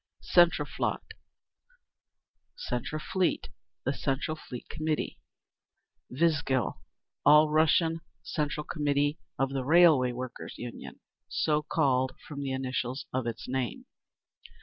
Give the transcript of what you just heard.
Tsentroflot. "Centre Fleet"—the Central Fleet Committee. Vikzhel. All Russian Central Committee of the Railway Workers' Union. So called from the initials of its name.